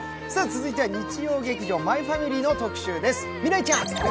続いては日曜劇場「マイファミリー」の特集です。